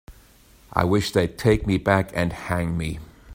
I wish they'd take me back and hang me.